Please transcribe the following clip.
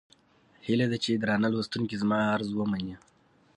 هيله ده چې درانه لوستونکي زما عرض ومني.